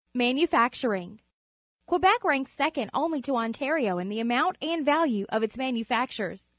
Manufacturing. — Quebec ranks secon d only to Ontario in the amount and value of its manufactures.